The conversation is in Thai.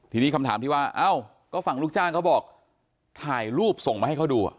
ทีนี้คำถามที่ว่าเอ้าก็ฝั่งลูกจ้างเขาบอกถ่ายรูปส่งมาให้เขาดู